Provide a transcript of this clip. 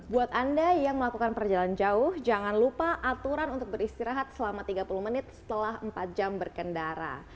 buat anda yang melakukan perjalanan jauh jangan lupa aturan untuk beristirahat selama tiga puluh menit setelah empat jam berkendara